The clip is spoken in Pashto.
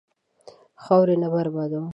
خاورې نه بربادوه.